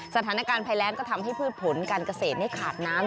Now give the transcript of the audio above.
สถานการณ์ภัยแรงก็ทำให้พืชผลการเกษตรขาดน้ำ